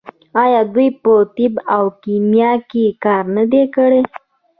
آیا دوی په طب او کیمیا کې کار نه دی کړی؟